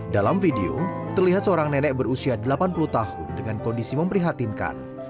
dalam video terlihat seorang nenek berusia delapan puluh tahun dengan kondisi memprihatinkan